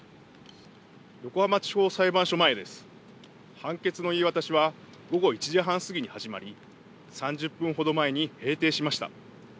判決の言い渡しは午後１時半過ぎに始まり３０分ほど前に閉廷しました。